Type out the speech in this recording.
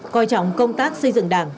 coi trọng công tác xây dựng đảng